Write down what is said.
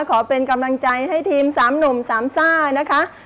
ขอเป็นกำลังใจให้ทีม๓หนุ่มสามซ่านะคะ